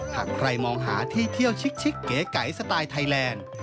หากใครมองหาที่เที่ยวชิกเก๋ไก๋สไตล์ไทยแลนด์